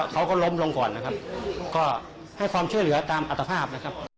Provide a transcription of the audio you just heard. เขาก็ล้มลงก่อนก็ให้ความเชื่อเหลือตามอัตภาพ